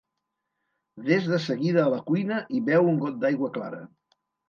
Vés de seguida a la cuina i beu un got d'aigua clara.